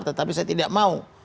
tetapi saya tidak mau